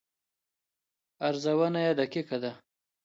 ارزونه یې دقیقه ده.